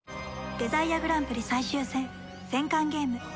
デザイアグランプリ最終戦戦艦ゲーム